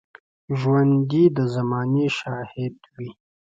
ژوندي د زمانې شاهد وي